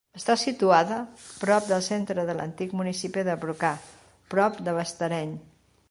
Està situada prop del centre de l'antic municipi de Brocà, prop del Bastareny.